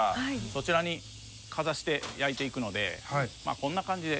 そちらにかざして焼いていくのでまぁこんな感じで。